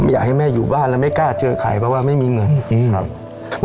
อยากให้แม่อยู่บ้านแล้วไม่กล้าเจอใครเพราะว่าไม่มีเงินครับ